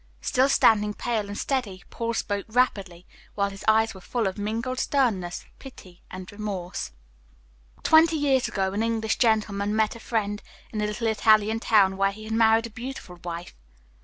Still standing pale and steady, Paul spoke rapidly, while his eyes were full of mingled sternness, pity, and remorse. "Twenty years ago, an English gentleman met a friend in a little Italian town, where he had married a beautiful wife.